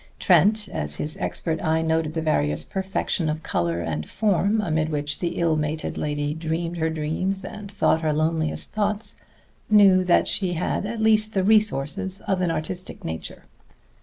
Trent, as his expert eye noted the various perfection of color and form amid which the ill mated lady dreamed her dreams and thought her loneliest thoughts, knew that she had at least the resources of an artistic nature.